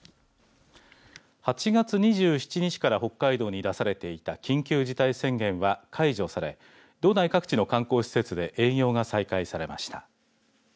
８月２７日から北海道に出されていた緊急事態宣言は解除され道内各地の観光施設で営業が再開されました。